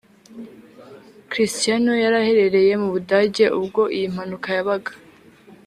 Cristiano yari aherereye mu Budage ubwo iyi mpanuka yabaga